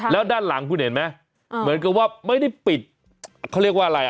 แล้วด้านหลังคุณเห็นไหมเหมือนกับว่าไม่ได้ปิดเขาเรียกว่าอะไรอ่ะ